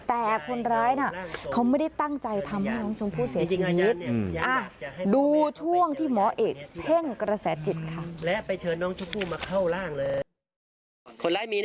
แต่คนร้ายน่ะเขาไม่ได้ตั้งใจทำให้น้องชมพู่เสียชีวิต